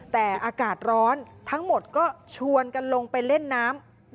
แต่อากาศร้อนทั้งหมดก็ชวนกันลงไปเล่นน้ำ